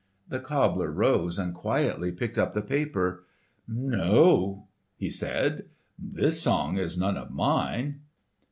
The cobbler arose and quietly picked up the paper. "No," he said, "this song is none of mine."